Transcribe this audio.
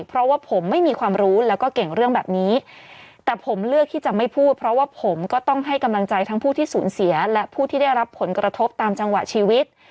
เพราะว่าผมไม่มีความรู้แล้วก็เก่งเรื่องแบบนี้แต่ผมเลือกที่จะไม่พูดเพราะว่าผมก็ต้องให้กำลังใจทั้งผู้ที่สูญเสียและผู้ที่ได้รับผลกระทบตามจังหวะชีวิต